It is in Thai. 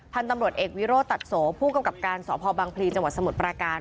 ทำตำรวจเอกวิโรตััสโสผู้กำกลับการส่อพบางพลีจมตร์สมุดปราการ